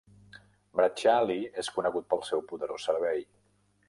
Bracciali és conegut pel seu poderós servei.